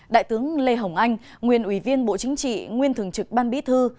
đại tướng lê hồng anh nguyên ủy viên bộ chính trị nguyên thường trực ban bí thư